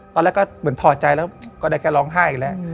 ตอนแรกก็เหมือนถอดใจแล้วก็ได้แค่ร้องไห้อีกแล้ว